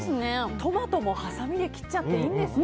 トマトも、はさみで切っちゃっていいんですね。